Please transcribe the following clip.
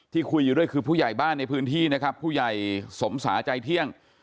คุยอยู่ด้วยคือผู้ใหญ่บ้านในพื้นที่นะครับผู้ใหญ่สมสาใจเที่ยง